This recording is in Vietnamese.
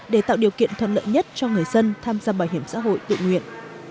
để tạo điều kiện thuận lợi nhất cho người dân tham gia bảo hiểm xã hội tự nguyện